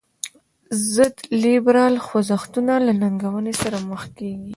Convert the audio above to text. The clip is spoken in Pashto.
ضد لیبرال خوځښتونه له ننګونې سره مخ کیږي.